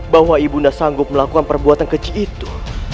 bahwa ibu anda sanggup melakukan perbuatan kecil itu